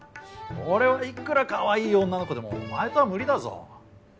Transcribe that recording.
俺はいくらカワイイ女の子でもお前とは無理だぞ。